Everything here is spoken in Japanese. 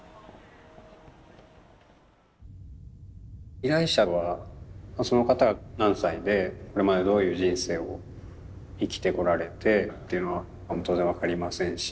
依頼者はその方が何歳でこれまでどういう人生を生きてこられてっていうのは当然分かりませんし。